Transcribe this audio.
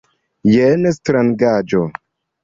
Jen strangaĵo.